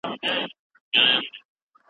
چې ښه انسانان اوسو.